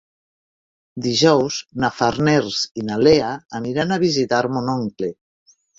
Dijous na Farners i na Lea aniran a visitar mon oncle.